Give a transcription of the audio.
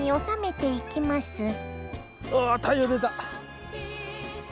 ああ太陽出た！